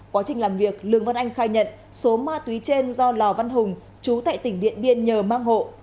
quá trình làm việc lương văn anh khai nhận số ma túy trên do lò văn hùng chú tại tỉnh điện biên nhờ mang hộ